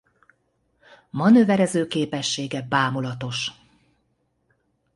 Manőverező képessége bámulatos.